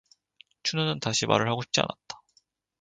춘우는 다시 말을 하고 싶지 않았다.